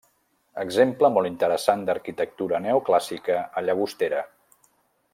Exemple molt interessant d'arquitectura neoclàssica a Llagostera.